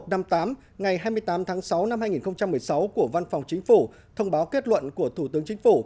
ngày hai mươi tám tháng sáu năm hai nghìn một mươi sáu của văn phòng chính phủ thông báo kết luận của thủ tướng chính phủ